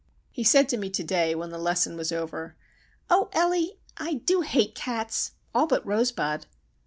He said to me to day when the lesson was over,—"Oh, Ellie, I do hate cats,—all but Rosebud!"